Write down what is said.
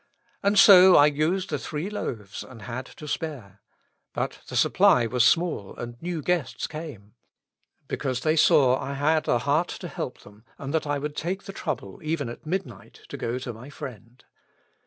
And so I used the three loaves and had to spare. But the supply was small, and new guests came ; because they saw I had a heart to help them, and that I would take the trouble even at midnight to go to my friend.